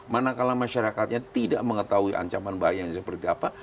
manakala masyarakatnya tidak mengetahui ancaman bahayanya seperti apa